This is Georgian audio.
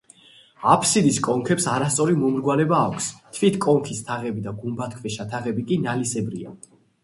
აფსიდის კონქებს არასწორი მომრგვალება აქვს, თვით კონქის თაღები და გუმბათქვეშა თაღები კი ნალისებრია.